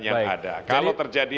yang ada kalau terjadi